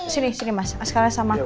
sini sini mas sekarang sama aku